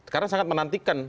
karena sangat menantikan